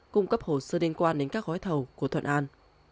cung cấp hồ sơ liên quan đến các gói thầu của thuận an